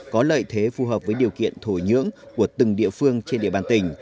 có lợi thế phù hợp với điều kiện thổ nhưỡng của từng địa phương trên địa bàn tỉnh